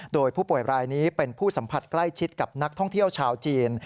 โดยผู้ป่วยรายนี้เป็นผู้สัมผัสใกล้ชิดกับนักท่องเที่ยวชาวจีน